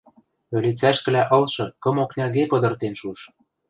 Ӧлицӓшкӹлӓ ылшы кым окняге пыдыртен шуш.